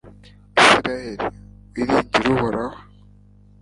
israheli, wiringire uhoraho